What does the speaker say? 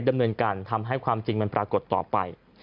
ดำเนินการทำให้ความจริงมันปรากฏต่อไป